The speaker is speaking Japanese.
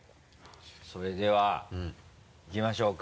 それではいきましょうか。